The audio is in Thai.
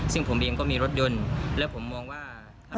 ซึ่งผมเองก็มีรถยนต์และผมมองว่า